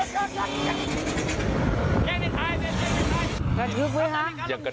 กินให้ไว้นะครับ